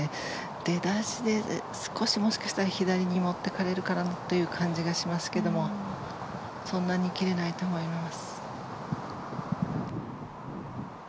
出だしで少しもしかしたら左に持っていかれるかなという感じがしますけれどそんなに切れないと思います。